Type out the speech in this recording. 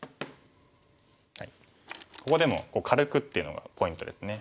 ここでも軽くっていうのがポイントですね。